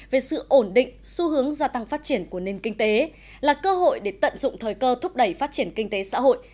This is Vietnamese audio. về sự ổn định xu hướng gia tăng phát triển của nền kinh tế là cơ hội để tận dụng thời cơ thúc đẩy phát triển kinh tế xã hội